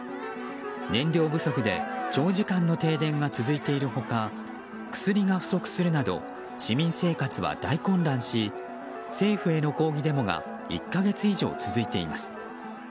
燃料不足で長時間の停電が続いている他薬が不足するなど市民生活は大混乱し政府への抗議デモが１か月以上続いています。